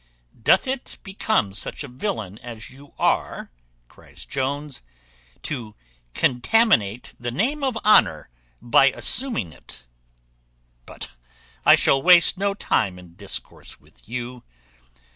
"Doth it become such a villain as you are," cries Jones, "to contaminate the name of honour by assuming it? But I shall waste no time in discourse with you.